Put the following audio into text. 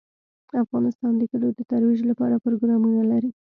افغانستان د کلیو د ترویج لپاره پروګرامونه لري.